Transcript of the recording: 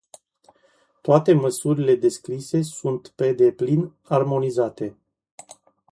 Toate măsurile descrise sunt pe deplin armonizate.